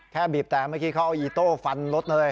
บีบแต่เมื่อกี้เขาเอาอีโต้ฟันรถเลย